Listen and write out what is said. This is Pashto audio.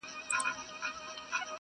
o د تسو لاسو بدنامۍ خبره ورانه سوله ,